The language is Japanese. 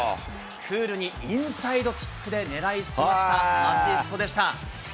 クールにインサイドキックで狙い澄ましたアシストでした。